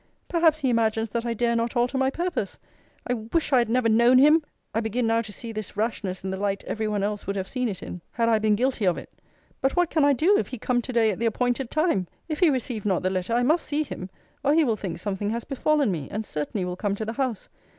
Perhaps he imagines that I dare not alter my purpose. I wish I had never known him! I begin now to see this rashness in the light every one else would have seen it in, had I been guilty of it. But what can I do, if he come to day at the appointed time! If he receive not the letter, I must see him, or he will think something has befallen me; and certainly will come to the house.